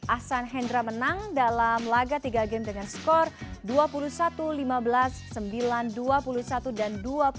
ahsan hendra menang dalam laga tiga game dengan skor dua puluh satu lima belas sembilan dua puluh satu dan dua puluh satu